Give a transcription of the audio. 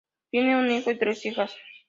Tiene un hijo y tres hijas.